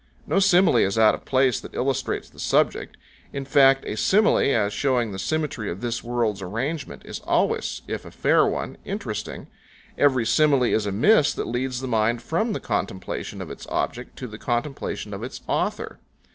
No simile is out of place that illustrates the subject; in fact a simile as showing the symmetry of this world's arrangement, is always, if a fair one, interesting; every simile is amiss that leads the mind from the contemplation of its object to the contemplation of its author.